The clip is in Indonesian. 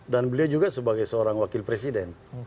dan beliau juga sebagai seorang wakil presiden